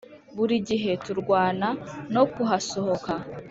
burigihe turwana no kuhasohoka